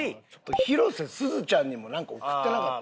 広瀬すずちゃんにもなんか贈ってなかった？